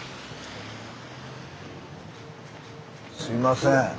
すいません。